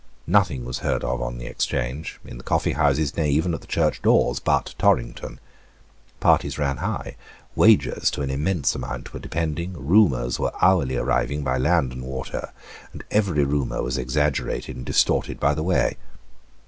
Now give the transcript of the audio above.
Nothing was heard of on the exchange, in the coffeehouses, nay even at the church doors, but Torrington. Parties ran high; wagers to an immense amount were depending; rumours were hourly arriving by land and water, and every rumour was exaggerated and distorted by the way.